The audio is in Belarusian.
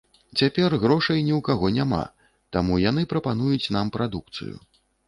Цяпер грошай ні ў каго няма, таму яны прапануюць нам прадукцыю.